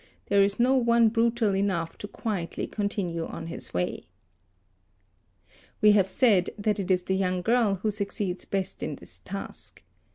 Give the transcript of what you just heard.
there is no one brutal enough to quietly continue on his way. We have said that it is the young girl who succeeds best in this task.